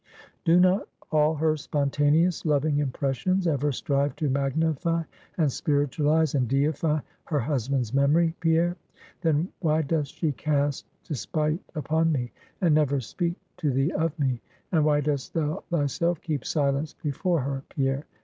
Do not all her spontaneous, loving impressions, ever strive to magnify, and spiritualize, and deify, her husband's memory, Pierre? Then why doth she cast despite upon me; and never speak to thee of me; and why dost thou thyself keep silence before her, Pierre?